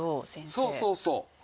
そうそうそう。